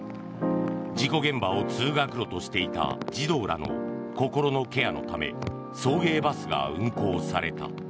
事故現場を通学路としていた児童らの心のケアのため送迎バスが運行された。